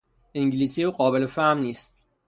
انگلیسی او قابل فهم نیست.